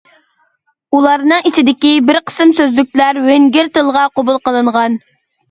ئۇلارنىڭ ئىچىدىكى بىر قىسىم سۆزلۈكلەر ۋېنگىر تىلىغا قوبۇل قىلىنغان.